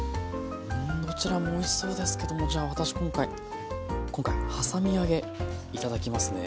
どちらもおいしそうですけどもじゃあ私今回はさみ揚げ頂きますね。